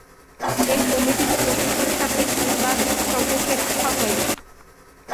এই কমিটিতে কোনো শিক্ষাবিদ কিংবা বিশেষজ্ঞকে রাখা হয়নি।